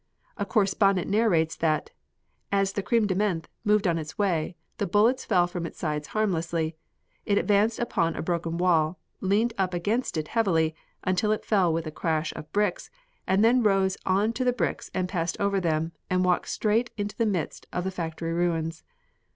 A correspondent narrates that: "As the 'Creme de Menthe' moved on its way, the bullets fell from its sides harmlessly. It advanced upon a broken wall, leaned up against it heavily, until it fell with a crash of bricks, and then rose on to the bricks and passed over them and walked straight into the midst of factory ruins."